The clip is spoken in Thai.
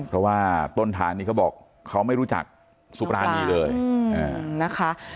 เพราะว่าต้นทางนี้เขาบอกเขาไม่รู้จักสุปรานีเลยนะคะ